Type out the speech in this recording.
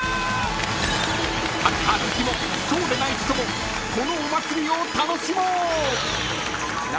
［サッカー好きもそうでない人もこのお祭りを楽しもう！］